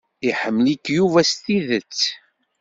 Iḥemmel-ik Yuba s tidet.